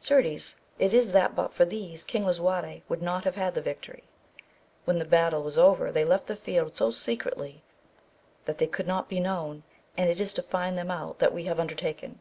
Certes it is that but for these King Lisu arte would not have had the victory ; when the battle was over they left the field so secretly that they could not be known, and it is to find them out that we have undertaken.